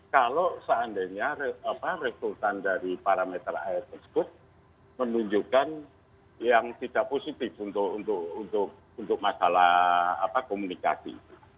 kalau seandainya rekrutan dari parameter air tersebut menunjukkan yang tidak positif untuk masalah komunikasi